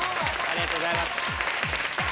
ありがとうございます。